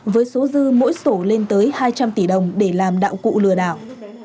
với số dư mỗi sổ lên tới hai trăm linh tỷ đồng để làm đạo cụ lừa đảo